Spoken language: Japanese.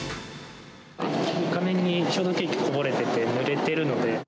床面に消毒液こぼれててぬれてるので。